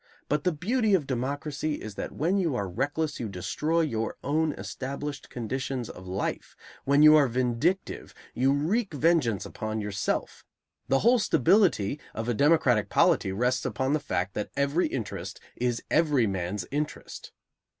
But the beauty of democracy is that when you are reckless you destroy your own established conditions of life; when you are vindictive, you wreak vengeance upon yourself; the whole stability of a democratic polity rests upon the fact that every interest is every man's interest.